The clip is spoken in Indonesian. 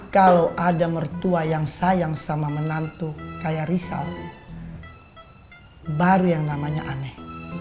kalau ada mertua yang sayang sama menantu kayak risal baru yang namanya aneh